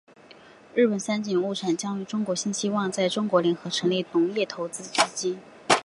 日本三井物产将与中国新希望在中国联合成立农业投资基金。